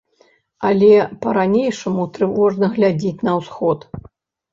Але па-ранейшаму трывожна глядзіць на ўсход.